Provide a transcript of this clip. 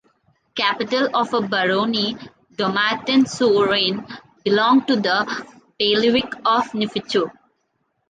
Capital of a barony, Dommartin-sur-Vraine belonged to the bailiwick of Neufchâteau.